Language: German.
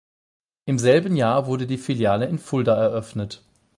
Im selben Jahr wurde die Filiale in Fulda eröffnet.